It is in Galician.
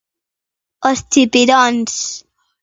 Os chipiróns.